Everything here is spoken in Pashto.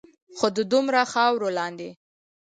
خو د دومره خاورو لاندے